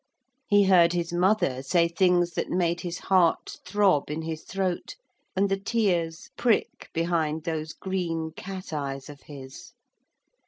He heard his mother say things that made his heart throb in his throat and the tears prick behind those green cat eyes of his.